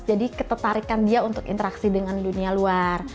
jadi ketertarikan dia untuk interaksi dengan dunia luar